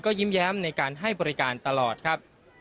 ยิ้มแย้มในการให้บริการตลอดครับ